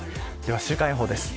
週間予報です。